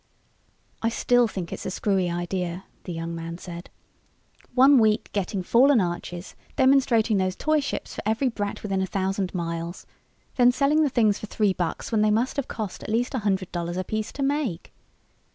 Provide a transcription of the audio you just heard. "I still think it's a screwy idea," the young man said. "One week getting fallen arches, demonstrating those toy ships for every brat within a thousand miles. Then selling the things for three bucks when they must have cost at least a hundred dollars apiece to make."